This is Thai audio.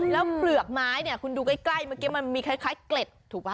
แล้วเปลือกไม้เนี่ยคุณดูใกล้เมื่อกี้มันมีคล้ายเกล็ดถูกป่ะ